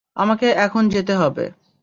আমাকে এখন যেতে হবে।